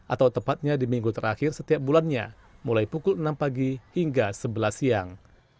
atau tepatnya di minggu terakhir setiap bulannya mulai pukul enam pagi hingga sebelas siang